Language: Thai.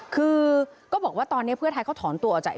คือก็บอกว่าตอนนี้เพื่อไทยเขาถอนตัวออกจาก